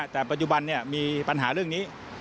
แต่ปัจจุบันมีปัญหาเรื่องนี้